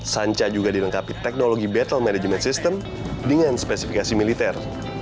sanca juga dilengkapi teknologi battle management system dengan spesifikasi militer